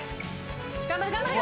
頑張れ。